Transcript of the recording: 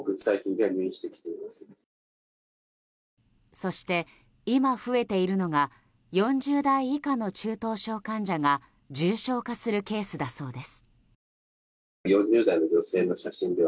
そして今、増えているのが４０代以下の中等症患者が重症化するケースだそうです。